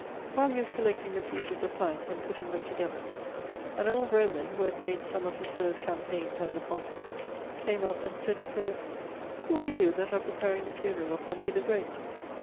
While he was collecting the pieces of plank, and putting them together, an old Roman, who had made some of his first campaigns under Pompey, came up, and said to Philip: "Who are you that are preparing the funeral of Pompey the Great?'